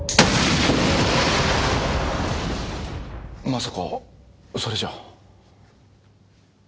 まさかそれじゃあ。